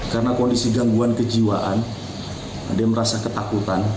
karena kondisi gangguan kejiwaan dia merasa ketakutan